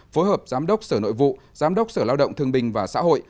phối hợp giám đốc sở nội vụ giám đốc sở lao động thương bình và xã hội